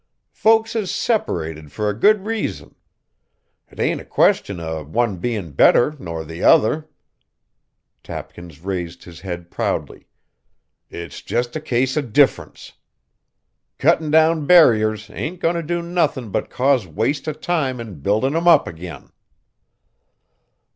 Folks is separated fur a good reason. 'T ain't a question o' one bein' better nor the other," Tapkins raised his head proudly, "it's jest a case o' difference. Cuttin' down barriers ain't goin' t' do nothin' but cause waste o' time in buildin' 'em up agin."